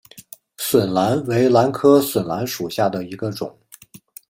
笋兰为兰科笋兰属下的一个种。